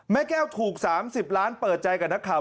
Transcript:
แม่แก้วถูก๓๐ล้านเปิดใจกับนักข่าว